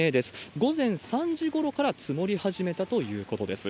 午前３時ごろから積もり始めたということです。